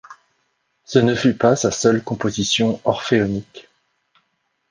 Ce ne fut pas sa seule composition orphéonique.